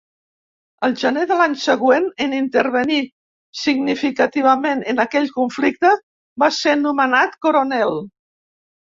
Al gener de l'any següent en intervenir significativament en aquell conflicte va ser nomenat coronel.